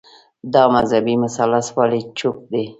دا مذهبي مثلث ولي چوپ دی